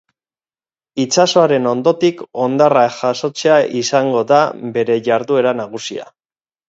Itsasoaren hondotik hondarra jasotzea izango da bere jarduera nagusia.